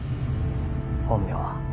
本名は